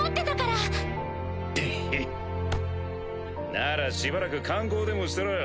ならしばらく観光でもしてろよ。